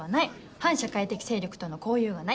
反社会的勢力との交遊がない。